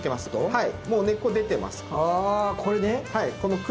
はい。